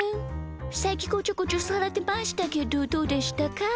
さっきこちょこちょされてましたけどどうでしたか？